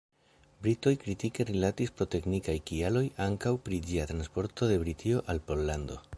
Britoj kritike rilatis pro teknikaj kialoj ankaŭ pri ĝia transporto de Britio al Pollando.